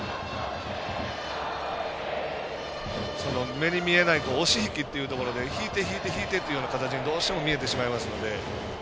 目に見えない押し引きというところ引いて引いて引いてっていうような形にどうしても見えてしまいますので。